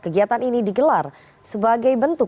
kegiatan ini digelar sebagai bentuk